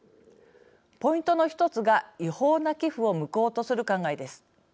ポイントの１つが違法な寄付を無効とする考えです。